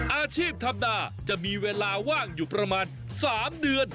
อาชีพธรรมดาจะมีเวลาว่างอยู่ประมาณ๓เดือน